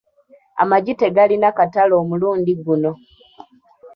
Amagi tegalina katale omulundi guno.